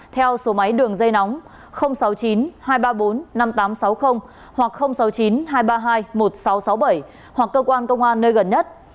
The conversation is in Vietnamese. theo số máy đường dây nóng sáu mươi chín hai trăm ba mươi bốn năm nghìn tám trăm sáu mươi hoặc sáu mươi chín hai trăm ba mươi hai một nghìn sáu trăm sáu mươi bảy hoặc cơ quan công an nơi gần nhất